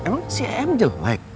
emang si em jelek